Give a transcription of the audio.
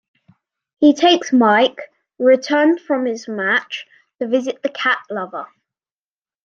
He takes Mike, returned from his match, to visit the cat-lover.